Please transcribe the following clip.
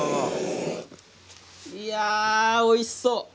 いやあ、おいしそう。